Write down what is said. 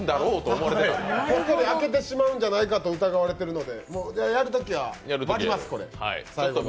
こっそり開けてしまうんじゃないかと疑われているので、やるときは割ります、最後に。